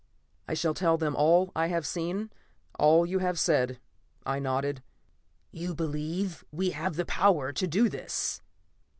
"I shall tell them all I have seen; all you have said," I nodded. "You believe we have the power to do all this?"